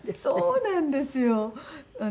そうなんですよ。